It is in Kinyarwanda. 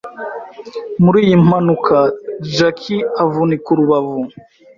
Muri iyi mpanuka, Jackie avunika urubavu